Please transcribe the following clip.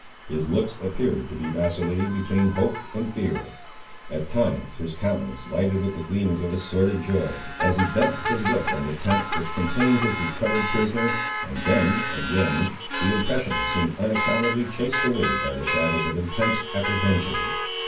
His looks appeared to be vacillating between hope and fear. At times, his countenance lighted with the gleamings of a sordid joy, as he bent his look on the tent which contained his recovered prisoner, and then, again, the impression seemed unaccountably chased away by the shadows of intense apprehension.